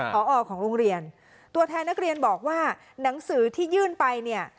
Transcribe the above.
พอของโรงเรียนตัวแทนนักเรียนบอกว่าหนังสือที่ยื่นไปเนี่ย